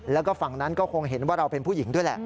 แล้วก็ฝั่งนั้นก็คงเห็นว่าเราเป็นผู้หญิงด้วยแหละ